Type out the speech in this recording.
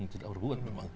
tidak berbuat memang